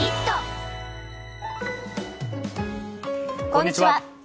こんにちは。